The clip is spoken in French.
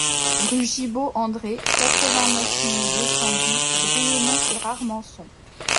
Rue Gibault André, quatre-vingt-neuf mille deux cent dix Brienon-sur-Armançon